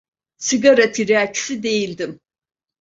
Sigara tiryakisi değildim.